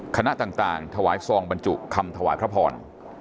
คณะต่างถวายซองบรรจุคำถวายพระพร